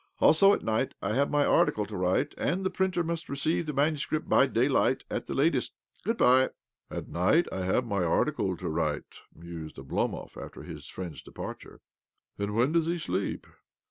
Also, at night I have my article to write, and the printer must receive the manuscript by daylight at the latest. Good bye !""' At night I have my article to write,' " mused Oblomov after his friend's departure. " Then when does he sleep